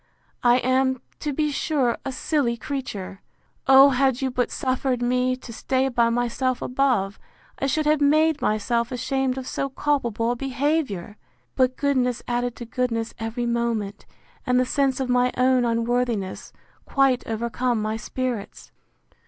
—I am, to be sure, a silly creature! O had you but suffered me to stay by myself above, I should have made myself ashamed of so culpable a behaviour!—But goodness added to goodness every moment, and the sense of my own unworthiness, quite overcome my spirits.